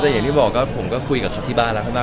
แต่อย่างที่บอกก็ผมก็คุยกับเขาที่บ้านแล้ว